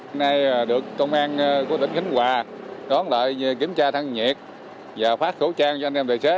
hôm nay được công an của tỉnh khánh hòa đón lại về kiểm tra thân nhiệt và phát khẩu trang cho anh em tài xế